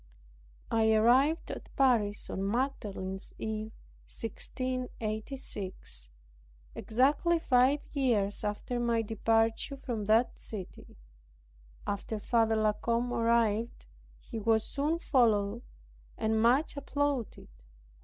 I arrived at Paris on Magdalene's eve, 1686, exactly five years after my departure from that city. After Father La Combe arrived, he was soon followed and much applauded.